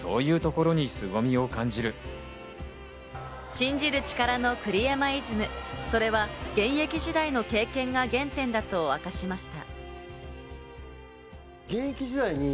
信じる力の栗山イズム、それは現役時代の経験が原点だと明かしました。